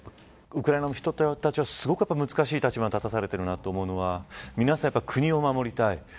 ウクライナの人たちはすごく難しい立場に立たされているなと思うのは皆さん、やっぱり国を守りたい。